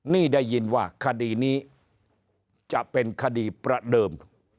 นี่ได้ยินว่าคดีนี้จะเป็นคดีประเดิม